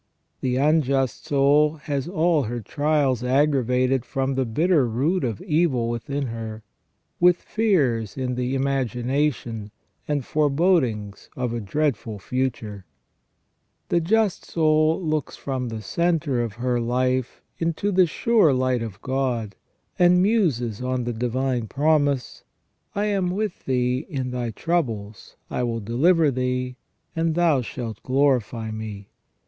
The unjust soul has all her trials aggravated from the bitter root of evil within her, with fears in the imagination and forebodings of a dreadful future. The just soul looks from the centre of her life unto the sure light of 250 ON PENAL EVIL OR PUNISHMENT. God, and muses on the divine promise :" I am with thee in thy troubles; I will deliver thee, and thou shalt glorify me